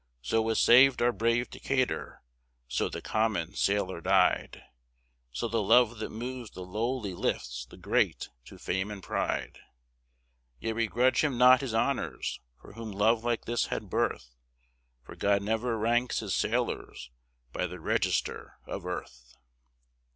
So was saved our brave Decatur; so the common sailor died; So the love that moves the lowly lifts the great to fame and pride. Yet we grudge him not his honors, for whom love like this had birth For God never ranks His sailors by the Register of earth!